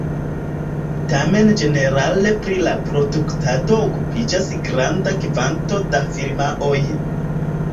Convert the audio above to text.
Tamen ĝenerale pri la produktado okupiĝas granda kvanto da firmaoj.